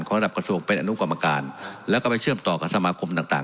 ระดับกระทรวงเป็นอนุกรรมการแล้วก็ไปเชื่อมต่อกับสมาคมต่างต่าง